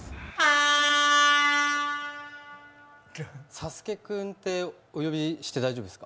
サスケくんってお呼びして大丈夫ですか。